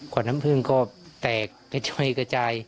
กว่าน้ำผึ้งก็แตกไปช่วยกระจาย